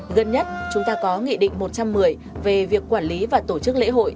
gần nhất chúng ta có nghị định một trăm một mươi về việc quản lý và tổ chức lễ hội